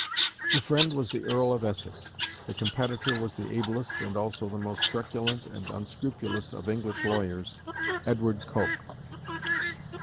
The friend was the Earl of Essex. The competitor was the ablest, and also the most truculent and unscrupulous of English lawyers, Edward Coke.